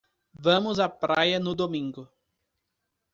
Vamos à praia no domingo